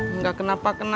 enggak kenapa kenapa